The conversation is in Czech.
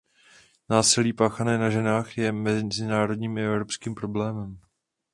Násilí páchané na ženách je mezinárodním i evropským problémem.